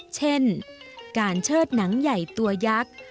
เช่นการเชิดหนังใหญ่ตัวยักษ์